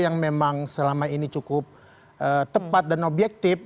yang memang selama ini cukup tepat dan objektif